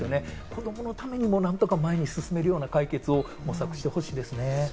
子どものためにもなんとか前に進めるような解決をしてほしいですね。